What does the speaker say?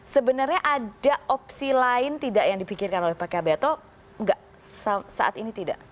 sebenarnya ada opsi lain tidak yang dipikirkan oleh pkb atau enggak saat ini tidak